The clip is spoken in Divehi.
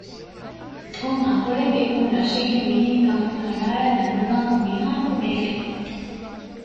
ކޮން އަތޮޅެއްގެ ކޮން ރަށެއްގެ މީހެއް ކަމެއް ކަނޑައަޅައި ދަންނަވާކަށް މިހާރަކު ނޭނގެ